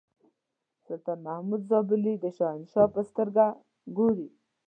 سلطان محمود زابلي د شهنشاه په سترګه ګوري.